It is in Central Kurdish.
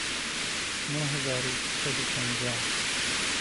نۆ هەزار و دوو سەد و پەنجا